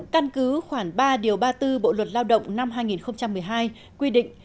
căn cứ khoảng ba điều ba mươi bốn bộ luật lao động năm hai nghìn một mươi hai quy định